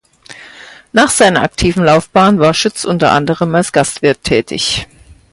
Nach seiner aktiven Laufbahn war Schütz unter anderem als Gastwirt tätig.